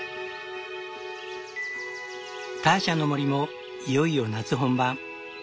ターシャの森もいよいよ夏本番。